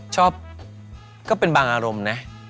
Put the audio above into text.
ชอบก็เป็นบางอารมณ์นะ